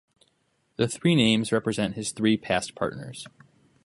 The three names represent his three past partners.